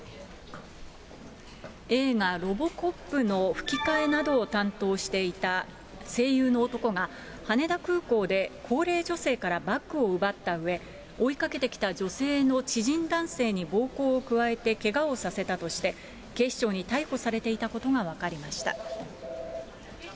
映画、ロボコップの吹き替えなどを担当していた声優の男が、羽田空港で高齢女性からバッグを奪ったうえ、追いかけてきた女性の知人男性に暴行を加えてけがをさせたとして、警視庁に逮捕されていたことが分かりました。